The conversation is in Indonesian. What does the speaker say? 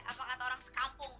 apakah kau orang sekampung